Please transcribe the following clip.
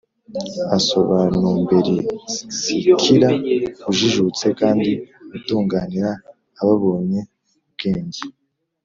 asobanumberskira ujijutse, kandi atunganira ababonye ubwenge